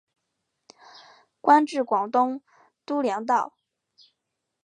官至广东督粮道。